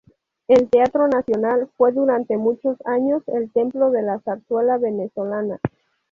El Teatro Nacional fue durante muchos años el templo de la zarzuela venezolana.